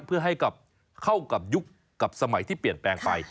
เพื่อให้เข้ากับยุคกับสมัยที่เปลี่ยนแปลงไป